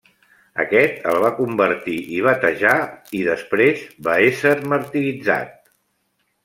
Aquest el va convertir i batejar i després va ésser martiritzat.